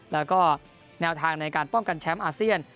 แล้วก็แนวทางในการป้องกันแชมป์อาเซียน